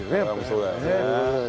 そうだね。